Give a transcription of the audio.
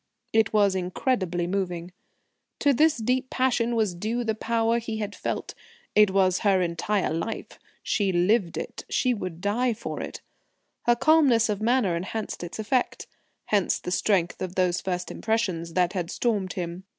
It was incredibly moving. To this deep passion was due the power he had felt. It was her entire life; she lived for it, she would die for it. Her calmness of manner enhanced its effect. Hence the strength of those first impressions that had stormed him.